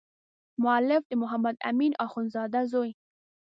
مؤلف د محمد امین اخندزاده زوی.